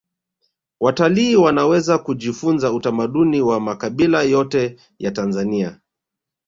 watalii wanaweza kujifunza utamaduni wa makabila yote ya tanzania